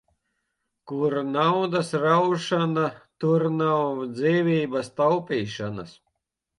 Kur naudas raušana, tur nav dzīvības taupīšanas.